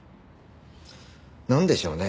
なんでしょうね。